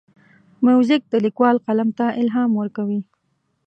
موزیک د لیکوال قلم ته الهام ورکوي.